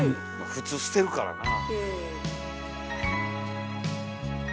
普通捨てるからなあ。